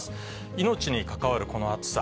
命に関わるこの暑さ。